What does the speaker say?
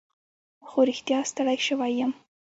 خو رښتیا ستړی شوی یم.